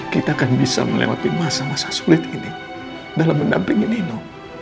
kita akan bisa melewati masa masa sulit ini dalam mendampingi nino